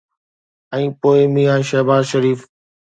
۽ پوءِ ميان شهباز شريف.